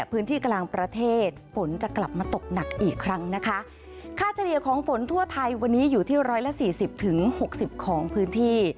พื้นที่กลางประเทศฝนจะกลับมาตกหนักอีกครั้งนะคะค่าเฉลี่ยของฝนทั่วไทยวันนี้อยู่ที่ร้อยละสี่สิบถึงหกสิบของพื้นที่